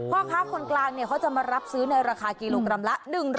พ่อค้าคนกลางเขาจะมารับซื้อในราคากิโลกรัมละ๑๐๐